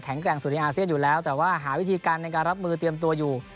แกร่งสุดในอาเซียนอยู่แล้วแต่ว่าหาวิธีการในการรับมือเตรียมตัวอยู่